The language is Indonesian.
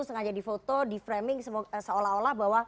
sengaja di foto di framing seolah olah bahwa